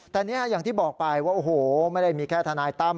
แต่เนี่ยอย่างที่บอกไปว่าโอ้โหไม่ได้มีแค่ทนายตั้ม